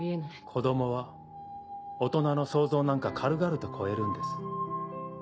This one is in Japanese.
子供は大人の想像なんか軽々と超えるんです。